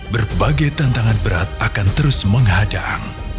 berbagai tantangan berat akan terus menghadang